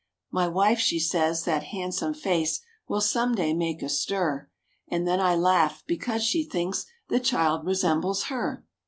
My wife, she says that han'some face will some day make a stir; And then I laugh, because she thinks the child resembles her.